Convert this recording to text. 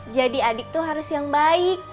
jadi adik tuh harus yang baik